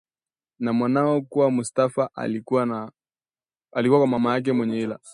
na mwao kuwa Mustafa alikuwa kwa mama mwenye hila